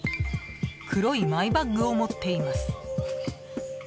黒いマイバッグを持っています。